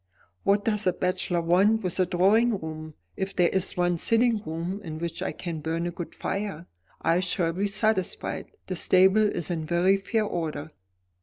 "What does a bachelor want with a drawing room? If there is one sitting room in which I can burn a good fire, I shall be satisfied. The stable is in very fair order."